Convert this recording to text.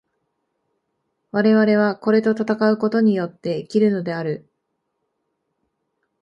我々はこれと戦うことによって生きるのである。